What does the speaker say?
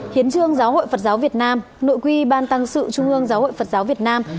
hiến trương giáo hội phật giáo việt nam nội quy ban tăng sự trung ương giáo hội phật giáo việt nam